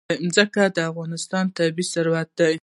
ځمکه د افغانستان طبعي ثروت دی.